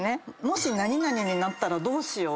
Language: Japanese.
もし何々になったらどうしよう。